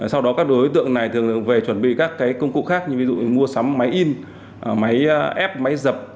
sau đó các đối tượng này thường về chuẩn bị các công cụ khác như mua sắm máy in máy ép máy dập